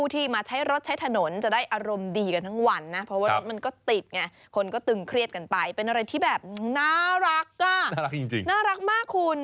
แต่ว่าสโภคก็พริ้วด้วย